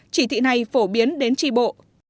chỉ thị này phổ biến đến trì bộ